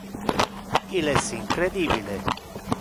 Il es incredibile.